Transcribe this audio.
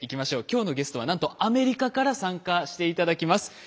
今日のゲストはなんとアメリカから参加して頂きます。